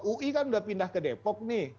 ui kan udah pindah ke depok nih